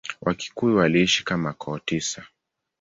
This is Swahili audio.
Wakikuyu waliishi kama koo tisa.